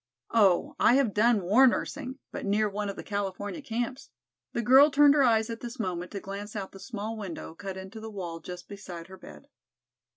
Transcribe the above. Oh, I have done war nursing, but near one of the California camps." The girl turned her eyes at this moment to glance out the small window cut into the wall just beside her bed.